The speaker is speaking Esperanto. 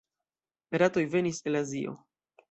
Ratoj venis el Azio.